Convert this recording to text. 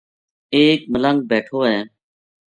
ایک ملنگ بیٹھو ہے